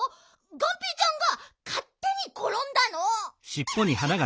がんぺーちゃんがかってにころんだの！